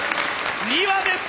２羽です！